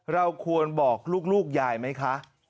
เราควรบอกลูกยายไหมคะ